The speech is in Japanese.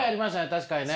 確かにね。